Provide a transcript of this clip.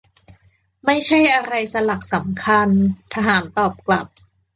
ไม่ใช่อะไรสลักสำคัญ. ทหารตอบกลับ